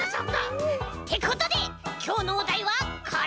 ってことできょうのおだいはこれ！